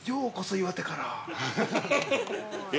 岩手から。